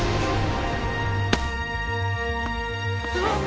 あっ！